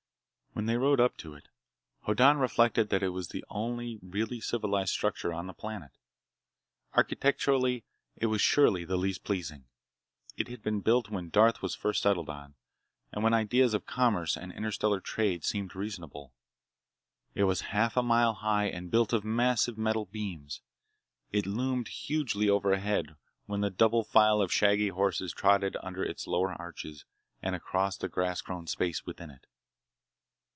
When they rode up to it. Hoddan reflected that it was the only really civilized structure on the planet. Architecturally it was surely the least pleasing. It had been built when Darth was first settled on, and when ideas of commerce and interstellar trade seemed reasonable. It was half a mile high and built of massive metal beams. It loomed hugely overhead when the double file of shaggy horses trotted under its lower arches and across the grass grown space within it.